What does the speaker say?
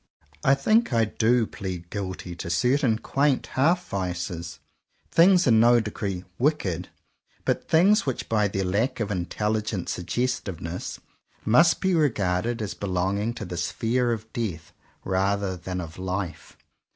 I think I do plead guilty to certain quaint half vices; things in no degree '*wicked," but things which by their lack of intelligent suggestiveness must be regarded as be 169 CONFESSIONS OF TWO BROTHERS longing to the sphere of death rather than of Hfe.